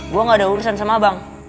gue gak ada urusan sama bank